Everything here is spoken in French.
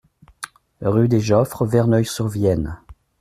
Rue des Geoffres, Verneuil-sur-Vienne